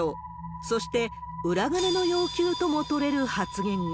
そして、裏金の要求とも取れる発言が。